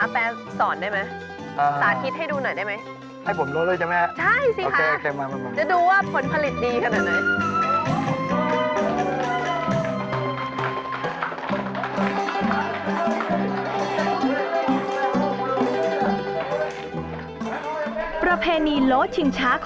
อ๋อเป็นจุดนัดพบกันใช่